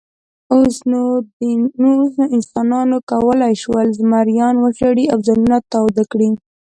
اوس نو انسانانو کولی شول، زمریان وشړي او ځانونه تاوده کړي.